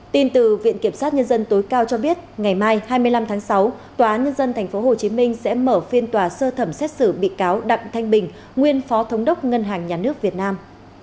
tin từ viện kiểm sát nhân dân tối cao cho biết ngày mai hai mươi năm tháng sáu tòa nhân dân tp hcm sẽ mở phiên tòa sơ thẩm xét xử bị cáo đặng thanh bình nguyên phó thống đốc ngân hàng nhà nước việt nam